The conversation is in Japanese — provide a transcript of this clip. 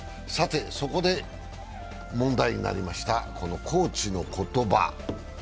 さて、そこで問題になりましたコーチの言葉。